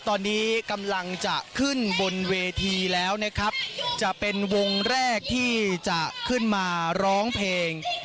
ตอนนี้กำลังจะขึ้นบนเวทีแล้วนะครับจะเป็นวงแรกที่จะขึ้นมาร้องเพลง